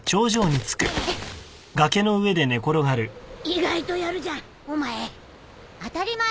意外とやるじゃんお前。